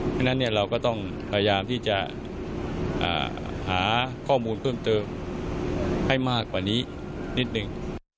เพราะฉะนั้นเราก็ต้องพยายามที่จะหาข้อมูลเพิ่มเติมให้มากกว่านี้นิดนึง